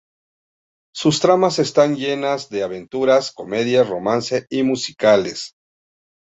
Sus tramas están llenas de aventuras, comedias, romance y musicales.